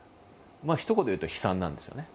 ひと言で言うと悲惨なんですよね。